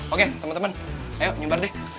oke temen temen ayo nyebar deh